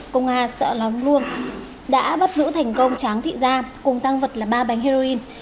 công an sợ lắm luôn đã bắt giữ thành công trang thị gia cùng tăng vật là ba bánh heroin